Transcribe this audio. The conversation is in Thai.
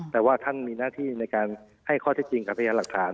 แต่ว่าท่านมีหน้าที่ในการให้ข้อเท็จจริงกับพยานหลักฐาน